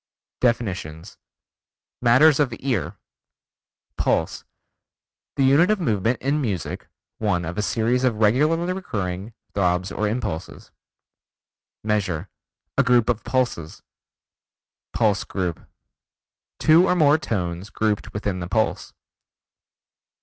DEFINITIONS Matters of Ear Pulse: The unit of movement in music, one of a series of regularly recurring throbs or impulses. Measure: A group of pulses. Pulse Group: Two or more tones grouped within the pulse.